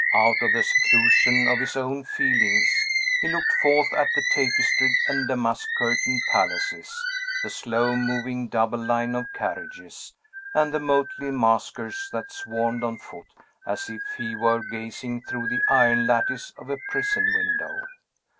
Out of the seclusion of his own feelings, he looked forth at the tapestried and damask curtained palaces, the slow moving double line of carriages, and the motley maskers that swarmed on foot, as if he were gazing through the iron lattice of a prison window.